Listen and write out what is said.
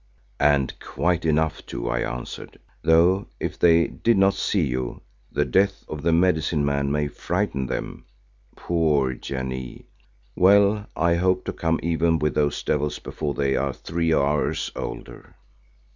"And quite enough, too," I answered, "though if they did not see you, the death of the Medicine man may frighten them. Poor Janee! Well, I hope to come even with those devils before they are three hours older."